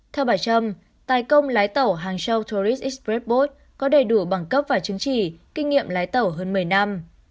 theo bà trâm tài công lái tàu hàng châu tourist express bus có đầy đủ bằng cấp và chứng chỉ kinh nghiệm lái tàu hơn một mươi năm